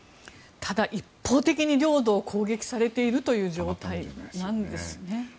ただ一方的に領土を攻撃されているという状態なんですね。